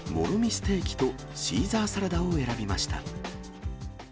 ステーキとシーザーサラダを選びました。